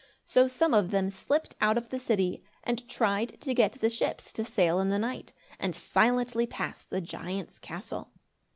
So some of them slipped out of the city and tried to get the ships to sail in the night, and silently pass the giant's castle.